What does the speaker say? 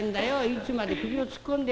いつまで首を突っ込んで。